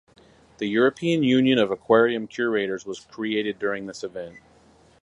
The European Union of Aquarium Curators was created during this event.